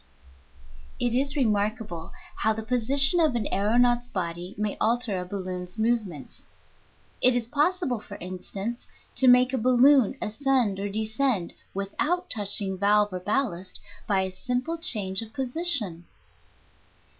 It is remarkable how the position of an aëronaut's body may alter a balloon's movements. It is possible, for instance, to make a balloon ascend or descend, without touching valve or ballast, by a simple change of position.